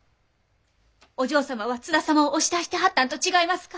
お嬢様は津田様をお慕いしてはったんと違いますか？